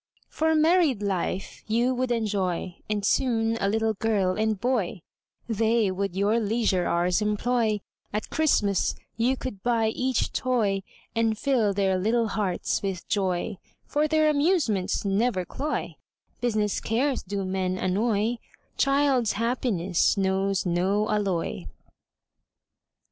For married life you would enjoy, And soon a little girl and boy, They would your leisure hours employ, At Christmas you could buy each toy, And fill their little hearts with joy, For their amusements never cloy, Business cares do men annoy, Child's happiness knows no alloy.